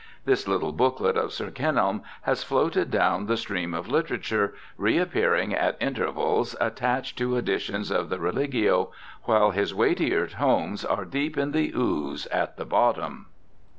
This little booklet of Sir Kenelm has floated down the stream of literature, reappearing at intervals attached to editions of the Religio^ while his weightier tomes are deep in the ooze at the bottom.